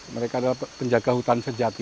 mereka adalah penjaga hutan sejati